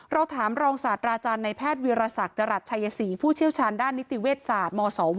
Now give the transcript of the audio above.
เราถามรองศาสตราจารย์ในแพทย์วิรสักจรัสชัยศรีผู้เชี่ยวชาญด้านนิติเวชศาสตร์มศว